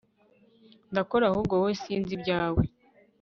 ndakora ahubwo wowe sinzi ibyawe